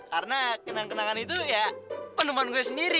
karena kenang kenangan itu ya penemuan gue sendiri